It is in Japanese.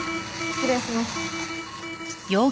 失礼します。